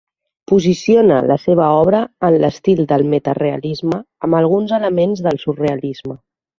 Posiciona la seva obra en l'estil del metarealisme amb alguns elements del surrealisme.